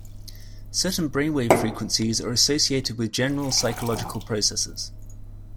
Certain brainwave frequencies are associated with general psychological processes.